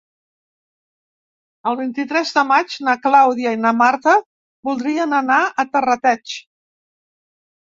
El vint-i-tres de maig na Clàudia i na Marta voldrien anar a Terrateig.